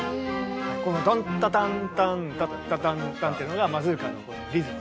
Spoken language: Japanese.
このタンタタンタンタタンタンっていうのが「マズルカ」のリズム。